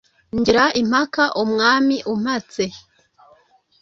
Ngira impaka Umwami umpatse,